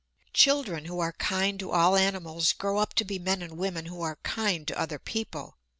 Children who are kind to all animals grow up to be men and women who are kind to other people.